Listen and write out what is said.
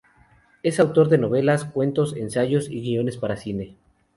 Es autor de novelas, cuentos, ensayos y guiones para cine.